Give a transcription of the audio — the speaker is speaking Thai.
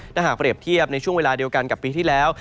ถ้าหากเปรียบเทียบในช่วงเวลาเดียวกันกับปีที่แล้ว